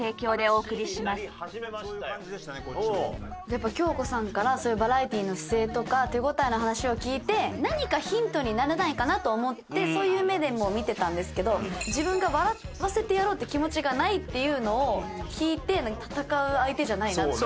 やっぱ京子さんからそういうバラエティの姿勢とか手応えの話を聞いて何かヒントにならないかなと思ってそういう目でも見てたんですけど自分が笑わせてやろうって気持ちがないっていうのを聞いて戦う相手じゃないなって。